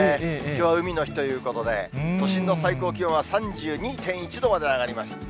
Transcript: きょうは海の日ということで、都心の最高気温は３２．１度まで上がりました。